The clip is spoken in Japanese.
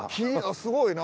すごいな。